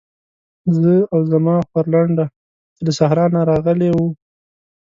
زه او زما خورلنډه چې له صحرا نه راغلې وو.